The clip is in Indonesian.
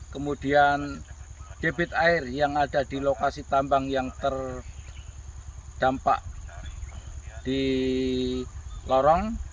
kemudian debit air yang ada di lokasi tambang yang terdampak di lorong